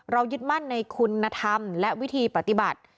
ยึดมั่นในคุณธรรมและวิธีปฏิบัติ